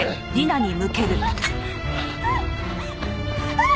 あっ！